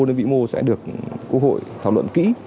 đến vĩ mô sẽ được quốc hội thảo luận kỹ